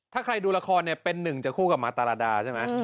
ถ้าใครดูละครเนี่ยเป็นหนึ่งจากคู่กับมาตาราดาใช่ไหม